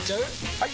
・はい！